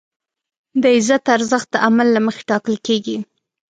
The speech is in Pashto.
د عزت ارزښت د عمل له مخې ټاکل کېږي.